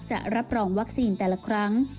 จะรับรองวัคซีนแต่ละครั้ง